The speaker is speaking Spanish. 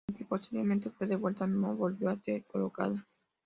Aunque posteriormente fue devuelta, no volvió a ser colocada.